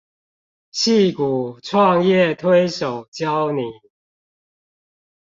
矽谷創業推手教你